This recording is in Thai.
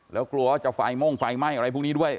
แล้วกลัวว่าจะไฟม่วงไฟไหม้อะไรพวกนี้ด้วย